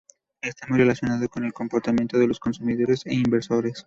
Está muy relacionado con el comportamiento de los consumidores e inversores.